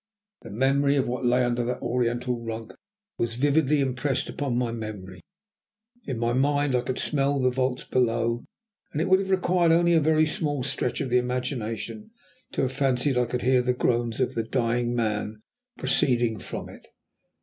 The memory of what lay under that oriental rug was vividly impressed upon my memory. In my mind I could smell the vaults below, and it would have required only a very small stretch of the imagination to have fancied I could hear the groans of the dying man proceeding from it.